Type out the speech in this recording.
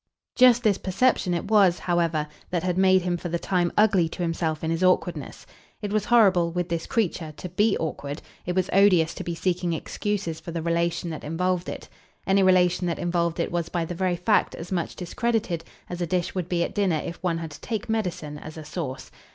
Just this perception it was, however, that had made him for the time ugly to himself in his awkwardness. It was horrible, with this creature, to BE awkward; it was odious to be seeking excuses for the relation that involved it. Any relation that involved it was by the very fact as much discredited as a dish would be at dinner if one had to take medicine as a sauce.